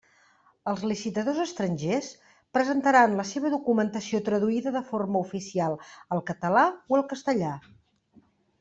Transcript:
Els licitadors estrangers presentaran la seva documentació traduïda de forma oficial al català o al castellà.